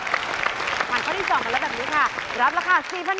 หันเจ้าข้อที่สองหันระดับนี้ค่ะรับราคา๔๐๐๐บาท